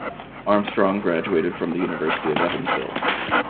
Armstrong graduated from the University of Evansville.